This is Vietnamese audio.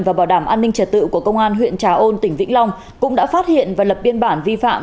và bảo đảm an ninh trật tự của công an huyện trà ôn tỉnh vĩnh long cũng đã phát hiện và lập biên bản vi phạm